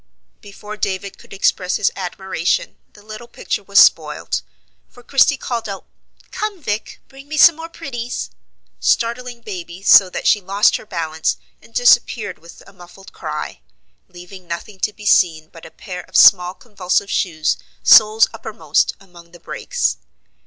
Before David could express his admiration, the little picture was spoilt; for Christie called out, "Come, Vic, bring me some more pretties!" startling baby so that she lost her balance, and disappeared with a muffled cry, leaving nothing to be seen but a pair of small convulsive shoes, soles uppermost, among the brakes.